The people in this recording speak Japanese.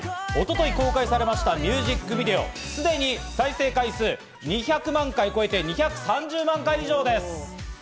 一昨日公開されましたミュージックビデオ、すでに再生回数２３０万回超えて、２３０万回以上です。